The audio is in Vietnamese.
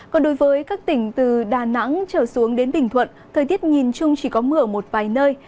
còn đối với các tỉnh từ đà nẵng trở xuống đến bình thuận thời tiết nhìn chung chỉ có mưa ở một vài nơi